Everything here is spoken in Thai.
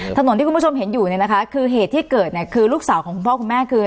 ถนนที่คุณผู้ชมเห็นอยู่เนี่ยนะคะคือเหตุที่เกิดเนี่ยคือลูกสาวของคุณพ่อคุณแม่คือ